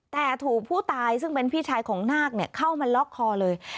แต่ถูกผู้ตายซึ่งเป็นพี่ชายของนาคเข้ามาล็อกคอเลย